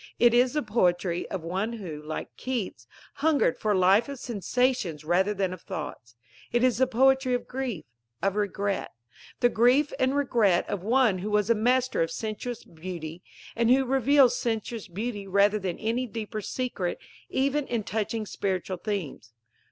It is the poetry, of one who, like Keats, hungered for a "life of sensations rather than of thoughts." It is the poetry of grief, of regret the grief and regret of one who was a master of sensuous beauty, and who reveals sensuous beauty rather than any deeper secret even in touching spiritual themes.